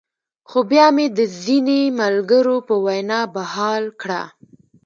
خو بيا مې د ځينې ملګرو پۀ وېنا بحال کړۀ -